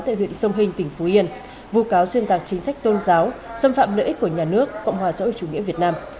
tại huyện sông hình tỉnh phú yên vụ cáo xuyên tạc chính sách tôn giáo xâm phạm lợi ích của nhà nước cộng hòa xã hội chủ nghĩa việt nam